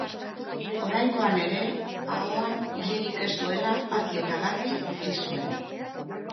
Oraingoan ere ahoan ilerik ez duela argi eta garbi utzi zuen.